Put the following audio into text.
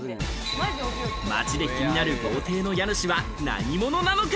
街で気になる豪邸の家主は何者なのか？